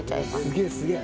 すげえすげえ。